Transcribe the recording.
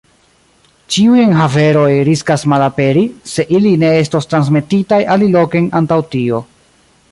Ĉiuj enhaveroj riskas malaperi, se ili ne estos transmetitaj aliloken antaŭ tio.